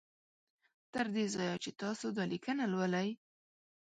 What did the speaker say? تر دې ځایه چې تاسو دا لیکنه لولی